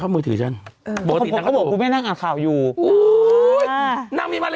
ก็ไม่ได้ติดตามเข้ารายการ